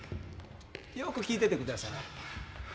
よく聞いててください。